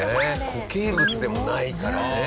固形物でもないからね。